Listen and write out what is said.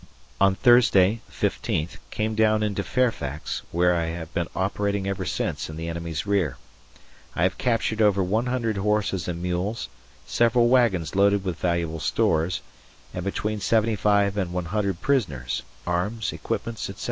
On Thursday, 15th, came down into Fairfax, where I have been operating ever since in the enemy's rear. I have captured over 100 horses and mules, several wagons loaded with valuable stores, and between 75 and 100 prisoners, arms, equipments, etc.